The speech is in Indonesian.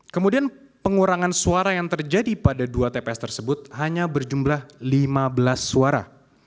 kemudian pengurangan suara yang terjadi pada dua tps tersebut hanya berjumlah lima belas suara